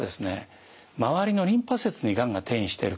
周りのリンパ節にがんが転移してるかもしれない。